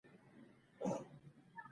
بدخشان د افغان ښځو په ژوند کې رول لري.